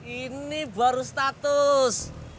ini baru status